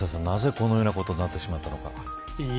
なぜこのようなことになってしまったのか。